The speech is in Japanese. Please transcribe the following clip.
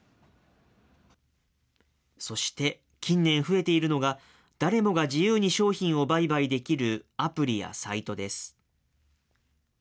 そして近年、増えているのが、誰もが自由に商品を売買できるアプリやサイトです。